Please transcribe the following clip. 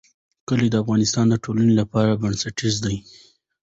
کلي د افغانستان د ټولنې لپاره بنسټیز دي.